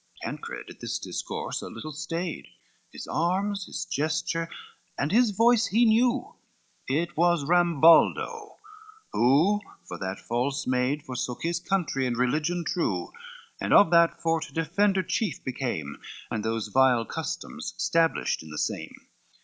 Tancred at this discourse a little stayed, His arms, his gesture, and his voice he knew: It was Rambaldo, who for that false maid Forsook his country and religion true, And of that fort defender chief became, And those vile customs stablished in the same.